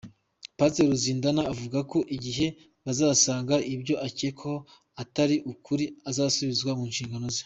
Pasitoro Ruzindana avuga ko igihe bazasanga ibyo akekwaho atari ukuri azasubizwa mu nshingano ze.